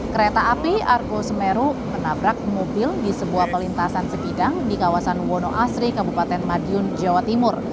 kereta api argo semeru menabrak mobil di sebuah pelintasan sebidang di kawasan wonoasri kabupaten madiun jawa timur